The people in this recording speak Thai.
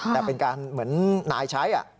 แต่เป็นการเหมือนนายใช้